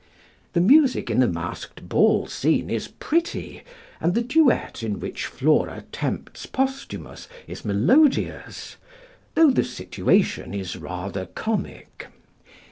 The music in the masked ball scene is pretty, and the duet in which Flora tempts Posthumus is melodious, though the situation is rather comic.